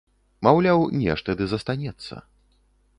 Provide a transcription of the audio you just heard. Маўляў, нешта ды застанецца.